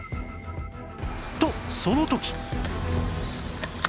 とその時！